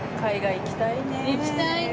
行きたいね。